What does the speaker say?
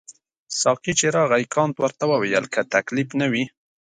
ساقي چې راغی کانت ورته وویل که تکلیف نه وي.